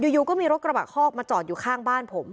อยู่ก็มีรถกระบะคอกมาจอดอยู่ข้างบ้านผม